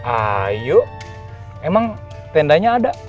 ayo emang tendanya ada